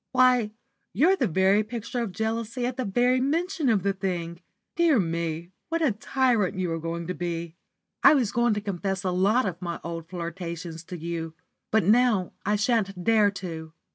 "Why, you're the very picture of jealousy at the very mention of the thing. Dear me, what a tyrant you are going to be! I was going to confess a lot of my old flirtations to you, but now I sha'n't dare to.